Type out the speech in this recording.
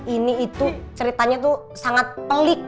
ini itu ceritanya tuh sangat pelik